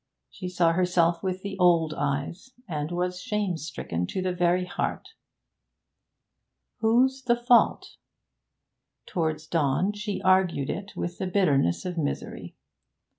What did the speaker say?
She saw herself with the old eyes, and was shame stricken to the very heart. Whose the fault? Towards dawn she argued it with the bitterness of misery.